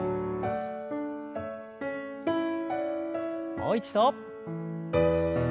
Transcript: もう一度。